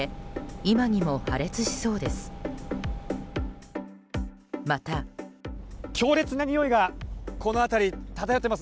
今にも破裂しそうです。